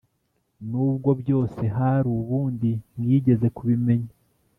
nubwo byose hari ubundi mwigeze kubimenya